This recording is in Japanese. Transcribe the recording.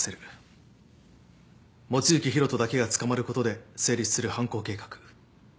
望月博人だけが捕まることで成立する犯行計画。